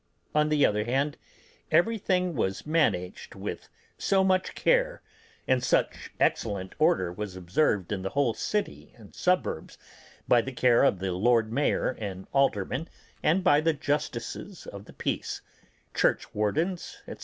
On the other hand, everything was managed with so much care, and such excellent order was observed in the whole city and suburbs by the care of the Lord Mayor and aldermen and by the justices of the peace, church wardens, &c.